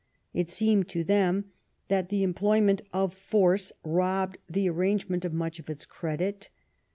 It seemed to them that the employment of force robbed the arrangement of much of its credit.